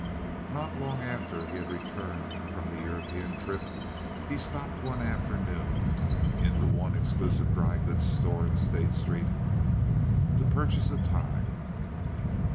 Not long after he had returned from the European trip he stopped one afternoon in the one exclusive drygoods store in State Street to purchase a tie.